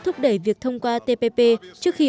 thúc đẩy việc thông qua tpp trước khi